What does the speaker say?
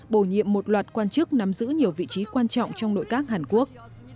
bổ nhiệm một loạt quan chức nắm giữ nhiều vị trí quan trọng trong nội các hàn quốc